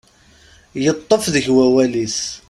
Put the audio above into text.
Yeṭṭef deg wawal-is.